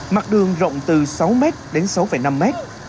mặt đường rộng từ sáu m đến sáu năm m